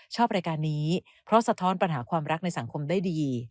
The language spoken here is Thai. ชอบรายการนี้เพราะสะท้อนปัญหาความรักในสังคมได้ดี